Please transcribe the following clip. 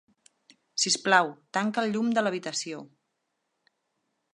Sisplau, tanca el llum de l'habitació.